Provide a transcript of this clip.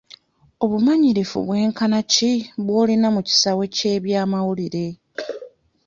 Obumanyirivu bwenkana ki bw'olina mu kisaawe ky'eby'amawulire?